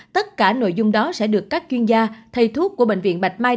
tất cả nội dung đó sẽ được các chuyên gia thầy thuốc của bệnh viện bạch mai